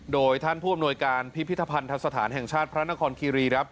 โดยท่านผู้อำนวยการพิพิธภัณฑสถานแห่งชาติพระนครคีรีครับ